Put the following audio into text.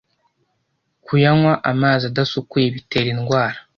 kuyanywa amazi adasukuye bitera indwara